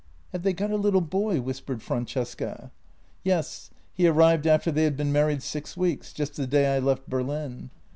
" Have they got a little boy? " whispered Francesca. " Yes; he arrived after they had been married six weeks, just the day I left Berlin.